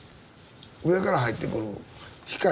上から入ってくる光だけ。